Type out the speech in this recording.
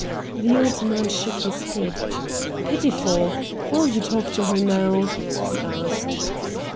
The old man shook his head. "Pitiful! Will you talk to her now?" he asked.